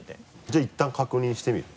じゃあいったん確認してみる？